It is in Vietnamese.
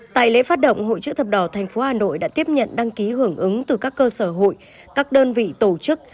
tại lễ phát động hội chữ thập đỏ tp hà nội đã tiếp nhận đăng ký hưởng ứng từ các cơ sở hội các đơn vị tổ chức